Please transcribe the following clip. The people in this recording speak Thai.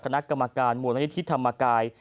คณะกรรมการมนธรรมกาย